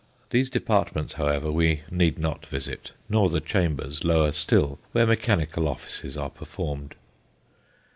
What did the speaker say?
These departments, however, we need not visit, nor the chambers, lower still, where mechanical offices are performed.